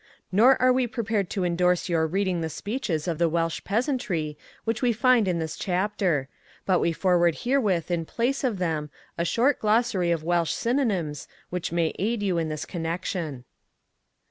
Nor are we prepared to endorse your reading the speeches of the Welsh peasantry which we find in this chapter, but we forward herewith in place of them a short glossary of Welsh synonyms which may aid you in this connection.